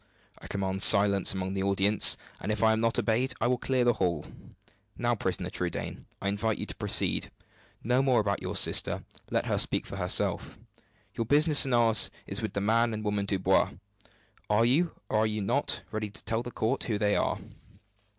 I command silence among the audience, and if I am not obeyed, I will clear the hall. Now, prisoner Trudaine, I invite you to proceed. No more about your sister; let her speak for herself. Your business and ours is with the man and woman Dubois. Are you, or are you not, ready to tell the court who they are?"